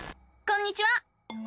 こんにちは！